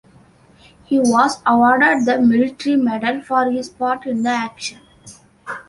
He was awarded the Military Medal for his part in the action.